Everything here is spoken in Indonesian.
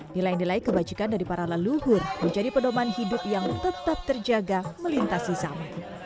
nilai nilai kebajikan dari para leluhur menjadi pedoman hidup yang tetap terjaga melintasi zaman